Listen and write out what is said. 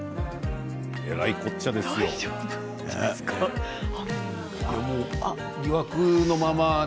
えらいこっちゃですね。